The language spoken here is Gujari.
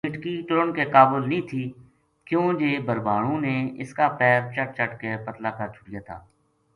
بیٹکی ٹرن کے قابل نہ تھی کیوں جے بھربھانو نے اس کا پیر چَٹ چَٹ کے پتلا کر چھُڑیا تھا